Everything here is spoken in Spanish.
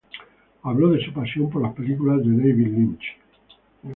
Habló de su pasión por las películas de David Lynch.